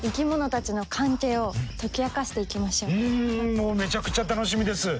もうめちゃくちゃ楽しみです！